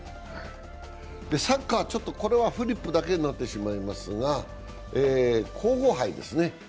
サッカー、これはフリップだけになってしまいますが皇后杯ですね。